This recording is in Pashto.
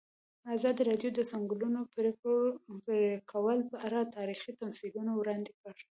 ازادي راډیو د د ځنګلونو پرېکول په اړه تاریخي تمثیلونه وړاندې کړي.